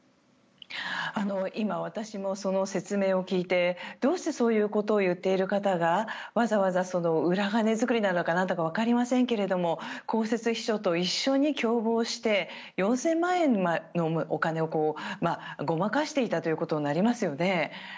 今、私もその説明を聞いてどうしてそういうことを言っている方がわざわざ裏金作りなのかわかりませんが公設秘書と一緒に共謀して４０００万円のお金をごまかしていたということになりますよね。